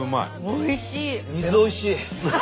おいしい！